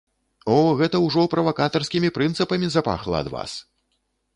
О, гэта ўжо правакатарскімі прынцыпамі запахла ад вас!